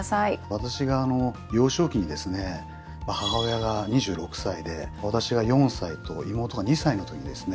私が幼少期にですね母親が２６歳で私が４歳と妹が２歳のときですね